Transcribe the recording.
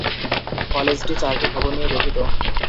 কলেজটি চারটি ভবন নিয়ে গঠিত।